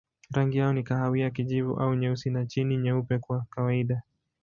Rangi yao ni kahawia, kijivu au nyeusi na chini nyeupe kwa kawaida.